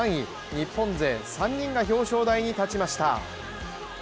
日本勢、３人が表彰台に立ちました。